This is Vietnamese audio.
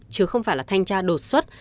chứ không phải là thanh tra đột xuất